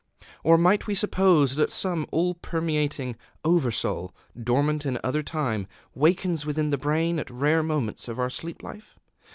_ Or might we suppose that some all permeating Over Soul, dormant in other time, wakens within the brain at rare moments of our sleep life?